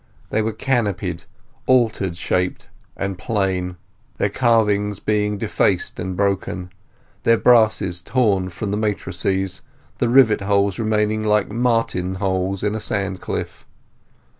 They were canopied, altar shaped, and plain; their carvings being defaced and broken; their brasses torn from the matrices, the rivet holes remaining like martin holes in a sandcliff.